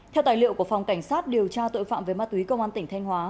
theo tài liệu của phòng cảnh sát điều tra tội phạm về ma túy công an tỉnh thanh hóa